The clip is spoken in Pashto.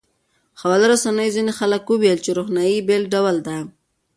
خواله رسنیو ځینې خلک وویل چې روښنايي بېل ډول ده.